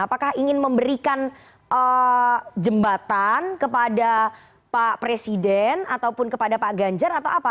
apakah ingin memberikan jembatan kepada pak presiden ataupun kepada pak ganjar atau apa